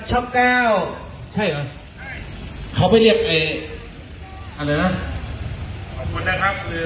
ใช่หรอเขาไปเรียกอ่ะแล้วนะขอบคุณนะครับคุณ